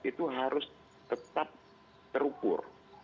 itu harus tetap terukur